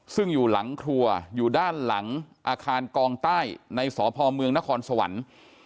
ซึ่งอยู่หลังครัวอยู่ด้านหลังอาคารกองใต้ในสพเมืองนครสวรรค์